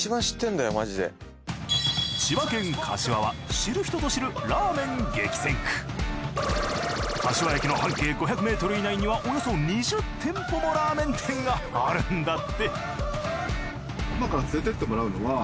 千葉県柏は柏駅の半径５００ｍ以内にはおよそ２０店舗もラーメン店があるんだって。